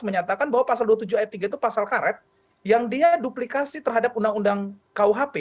menyatakan bahwa pasal dua puluh tujuh ayat tiga itu pasal karet yang dia duplikasi terhadap undang undang kuhp